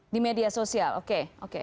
di media sosial oke